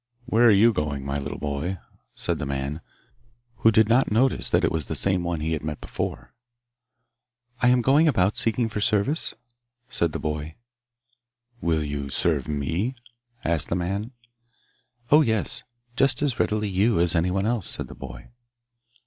'Where are you going, my little boy?' said the man, who did not notice that it was the same one he had met before. 'I am going about seeking for service?' said the boy. 'Will you serve me?' asked the man. 'Oh, yes; just as readily you as anyone else,' said the boy.